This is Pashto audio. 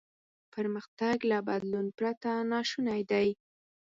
پرمختګ له بدلون پرته ناشونی دی.